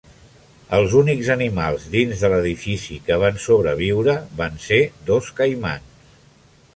Els únics animals dins de l'edifici que van sobreviure van ser dos caimans.